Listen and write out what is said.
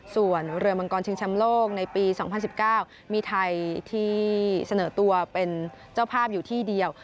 ส่วนเรือมังกรชิงชำโลกในปี๒๐๑๙มีไทยที่เสนอตัวเป็นเจ้าภาพอยู่ที่เดียว